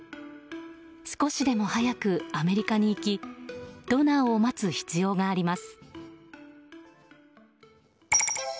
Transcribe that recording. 少しでも早くアメリカに行きドナーを待つ必要があります。